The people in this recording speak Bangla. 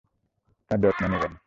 তার যত্ন নিবেন।